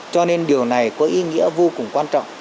cho nên điều này có ý nghĩa vô cùng quan trọng